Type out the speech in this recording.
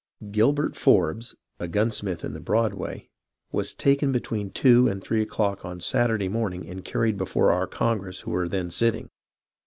Gilbert Forbes, a gunsmith in the Broadway, was taken between two and three o'clock on Saturday morning and carried before our Congress who were then sitting.